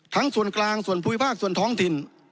ส่วนกลางส่วนภูมิภาคส่วนท้องถิ่น